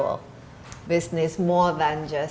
lebih dari hanya